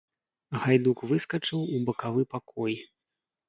Гайдук выскачыў у бакавы пакой.